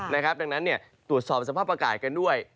ดังนั้นตรวจสอบสภาพอากาศกันด้วย